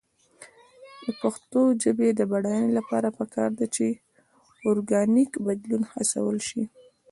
د پښتو ژبې د بډاینې لپاره پکار ده چې اورګانیک بدلون هڅول شي.